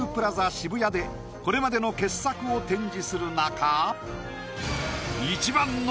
渋谷でこれまでの傑作を展示するなか。